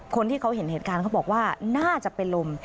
คนที่เขาเห็นเหตุการณ์เขาบอกว่าน่าจะเป็นลม